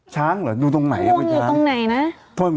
ช้างเหรอดูตรงไหนดูตรงไหนนะ